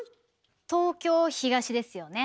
東京「東」ですよね。